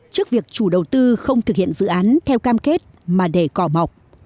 trước việc chủ đầu tư không thực hiện dự án theo cam kết mà để cỏ mọc